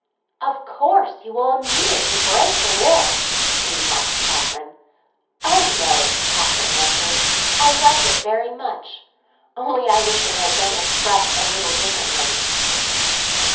"Of course, you will dispute the will," she remarked, fatuously, to Catherine. "Oh no," Catherine answered, "I like it very much. Only I wish it had been expressed a little differently!"